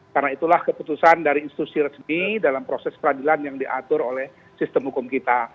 karena itulah keputusan dari institusi resmi dalam proses pengadilan yang diatur oleh sistem hukum kita